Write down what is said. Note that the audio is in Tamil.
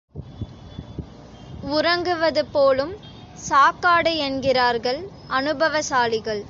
உறங்குவது போலும் சாக்காடு என்கிறார்கள் அனுபவசாலிகள்.